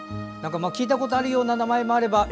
聞いたことあるような名前もあればえ？